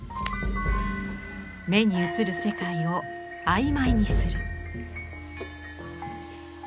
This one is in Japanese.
目に映る世界を曖昧にする。